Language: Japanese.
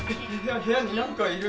部屋になんかいる！